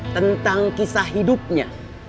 tentang kisah hidupnya